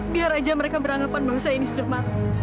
biar aja mereka beranggapan bangsa ini sudah mahal